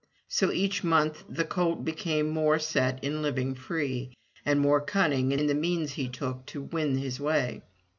So each month the colt became more set on living free, and more cunning in the means he took to win his way.